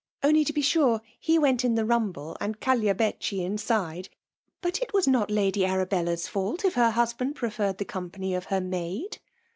Only^ to be sure, he went in the rumble^ and Cagliabecchi inside. But it was not Lady Arabella's fault if her hus band preferred the company of her maid."